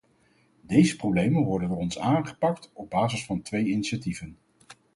Deze problemen worden door ons aangepakt op basis van twee initiatieven.